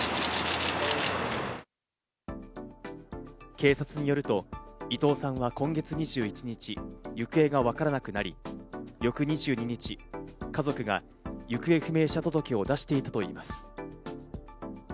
警察によると伊藤さんは今月２１日、行方がわからなくなり、翌２２日、家族が行方不明者届を出していたといいます。